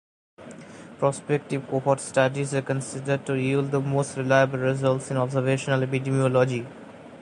Prospective cohort studies are considered to yield the most reliable results in observational epidemiology.